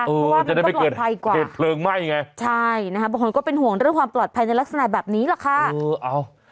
เออจะได้ไม่เกิดเหตุเพลิงไหม้ไงใช่นะครับบางคนก็เป็นห่วงเรื่องความปลอดภัยในลักษณะแบบนี้แหละค่ะเอออ้าว